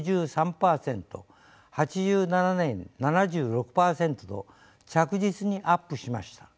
８７年７６％と着実にアップしました。